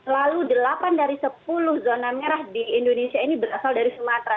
lalu delapan dari sepuluh zona merah di indonesia ini berasal dari sumatera